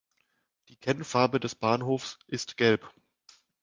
Die Kennfarbe des Bahnhofs ist Gelb.